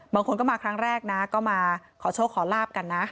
บางคนก็มาครั้งแรกนะก็มาขอโชคขอลาบกันนะ